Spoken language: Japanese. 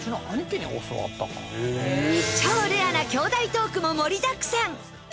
超レアな兄弟トークも盛りだくさん！